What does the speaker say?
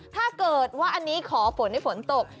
ถ้าเกิดว่าอันนี้ขอฝนให้ฝนตก